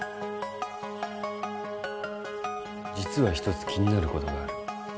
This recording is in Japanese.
実は一つ気になることがある。